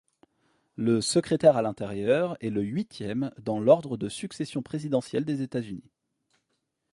Le secrétaire à l'Intérieur est le huitième dans l'ordre de succession présidentielle des États-Unis.